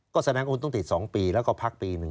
ก็แสดงว่าคุณต้องติด๒ปีแล้วก็พักปี๑